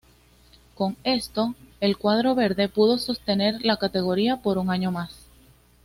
Con esto, el cuadro verde pudo sostener la categoría por un año más.